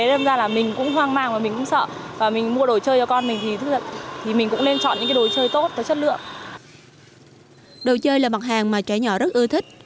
đồ chơi là mặt hàng mà trẻ nhỏ rất ưa thích